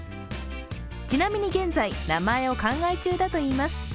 ちなみに現在、名前を考え中だといいます。